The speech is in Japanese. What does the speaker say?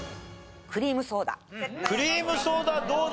クリームソーダどうだ？